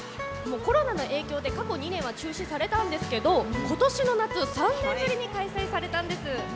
コロナの影響で過去２年は中止されたんですけど今年の夏３年ぶりに開催されたんです。